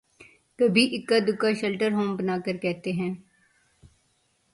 کبھی اکا دکا شیلٹر ہوم بنا کر کہتے ہیں۔